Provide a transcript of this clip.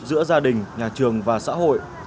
giữa gia đình nhà trường và xã hội